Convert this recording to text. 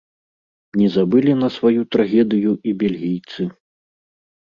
Не забылі на сваю трагедыю і бельгійцы.